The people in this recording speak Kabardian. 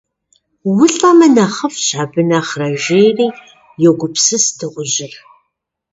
УлӀэмэ, нэхъыфӀщ, абы нэхърэ, жеӏэри йогупсыс дыгъужьыр.